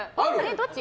どっち？